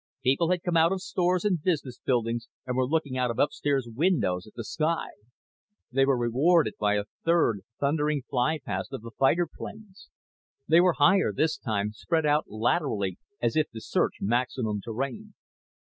People had come out of stores and business buildings and were looking out of upstairs windows at the sky. They were rewarded by a third thundering flypast of the fighter planes. They were higher this time, spread out laterally as if to search maximum terrain.